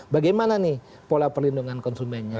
bagaimana pola perlindungan konsumennya